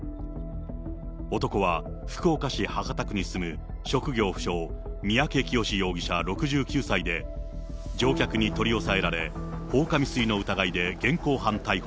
男は福岡市博多区に住む職業不詳、三宅潔容疑者６９歳で、乗客に取り押さえられ、放火未遂の疑いで現行犯逮捕。